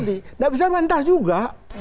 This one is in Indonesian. tidak bisa bantah juga